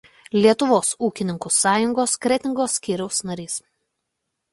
Lietuvos ūkininkų sąjungos Kretingos skyriaus narys.